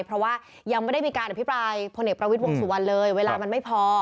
เพราะว่ายังไม่ได้มีการอภิปรายพลเอกประวิทย์วงสุวรรณเลยเวลามันไม่พอ